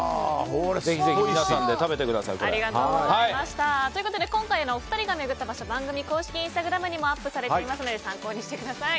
ぜひぜひ皆さんで食べてください。ということで今回お二人が巡った場所は番組公式インスタグラムにもアップされていますので参考にしてください。